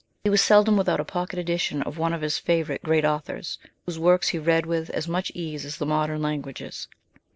He was seldom without a pocket edition of one of his favourite great authors, whose works he read with as much ease as the modern languages.